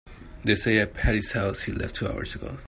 They say at Patti's house he left two hours ago.